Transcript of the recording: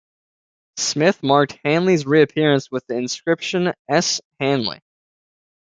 Smith marked Hanley's reappearance with the inscription S Hanley!